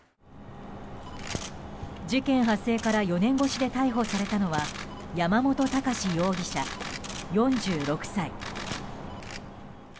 事件発生から４年越しで逮捕されたのは山本孝容疑者、４６歳。